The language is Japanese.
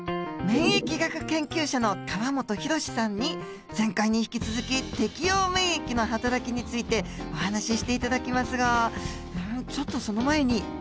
免疫学研究者の河本宏さんに前回に引き続き適応免疫のはたらきについてお話しして頂きますがちょっとその前に。